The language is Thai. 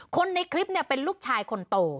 คนในคลิปเป็นลูกชายคนโต